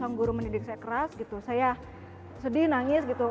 sang guru mendidik saya keras saya sedih nangis